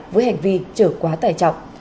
với hành vi trở quá tải trọng